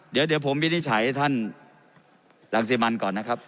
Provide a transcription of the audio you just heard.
เดี๋ยวผมวินิจฉัยท่านรังสิมันก่อนนะครับ